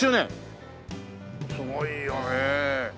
すごいよね。